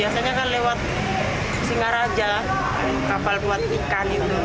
soalnya kan lewat singaraja kapal buat ikan itu